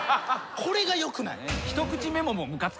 これがよくない。